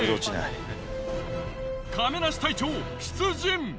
亀梨隊長出陣！